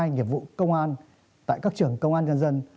nghiệp vụ công an tại các trường công an nhân dân